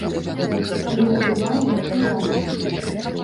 Але трывае і рад.